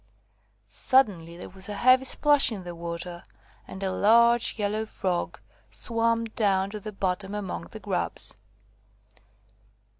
Suddenly there was a heavy splash in the water, and a large yellow Frog swam down to the bottom among the grubs.